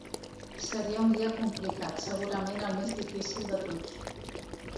Seria un dia complicat, segurament el més difícil de tots.